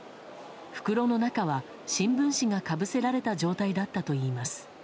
袋の中は新聞紙がかぶせられた状態だったといいます。